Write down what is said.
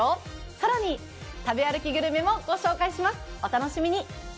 更に、食べ歩きグルメもご紹介します、お楽しみに！